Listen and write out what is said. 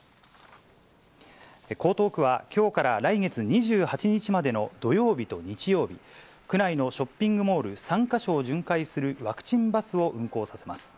江東区は、きょうから来月２８日までの土曜日と日曜日、区内のショッピングモール３か所を巡回するワクチンバスを運行させます。